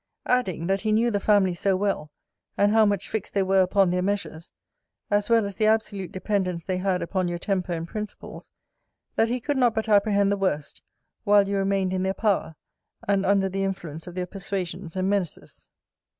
Adding, that he knew the family so well, and how much fixed they were upon their measures, as well as the absolute dependence they had upon your temper and principles, that he could not but apprehend the worst, while you remained in their power, and under the influence of their persuasions and menaces.